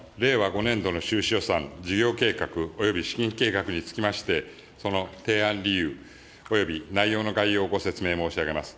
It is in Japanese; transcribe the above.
５年度の収支予算、事業計画および資金計画につきまして、その提案理由および内容の概要をご説明申し上げます。